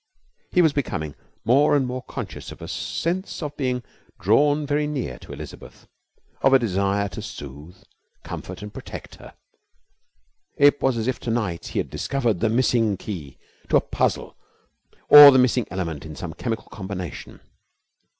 He was becoming more and more conscious of a sense of being drawn very near to Elizabeth, of a desire to soothe, comfort, and protect her. It was as if to night he had discovered the missing key to a puzzle or the missing element in some chemical combination.